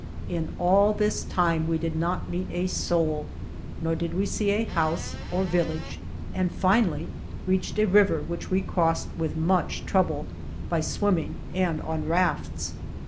In all this time we did not meet a soul, nor did we see a house or vil lage, and finally reached a river, which we crossed with much trouble, by swimming and on rafts.